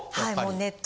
ネット？